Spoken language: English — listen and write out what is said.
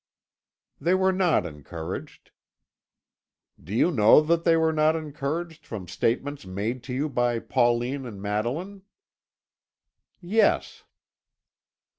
"They were not encouraged." "Do you know that they were not encouraged from statements made to you by Pauline and Madeline?" "Yes."